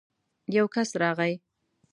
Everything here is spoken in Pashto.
يو کس راغی.